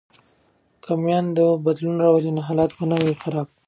که میندې بدلون راولي نو حالت به نه وي خراب.